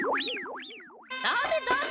ダメダメ。